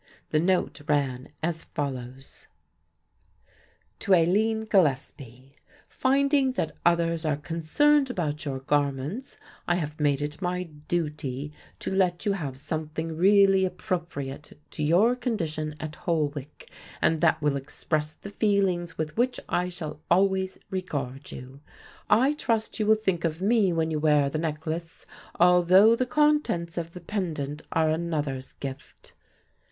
The note ran as follows, To Aline Gillespie, Finding that others are concerned about your garments I have made it my duty to let you have something really appropriate to your condition at Holwick and that will express the feelings with which I shall always regard you. I trust you will think of me when you wear the necklace, although the contents of the pendant are another's gift.